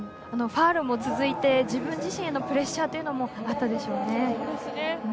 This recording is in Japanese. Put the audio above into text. ファウルも続いて自分自身へのプレッシャーもあったでしょうね。